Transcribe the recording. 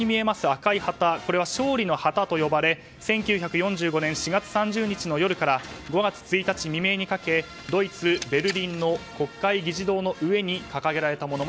赤い旗これは勝利の旗と呼ばれ１９４５年４月３０日の夜から５月１日未明にかけドイツ・ベルリンの国会議事堂の上に掲げられたもの。